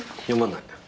読まない。